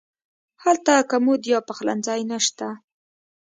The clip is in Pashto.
هلته کمود یا پخلنځی نه شته.